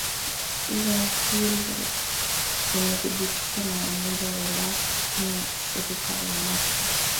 io hilo limethibitishwa na umoja wa ulaya chini ya shirika la navfo